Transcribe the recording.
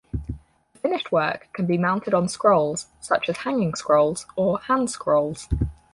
The finished work can be mounted on scrolls, such as hanging scrolls or handscrolls.